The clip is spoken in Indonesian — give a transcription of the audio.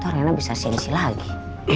tuh reina bisa siensi lagi